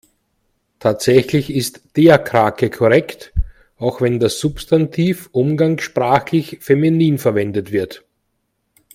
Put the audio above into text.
Tatsächlich ist der Krake korrekt, auch wenn das Substantiv umgangssprachlich feminin verwendet wird.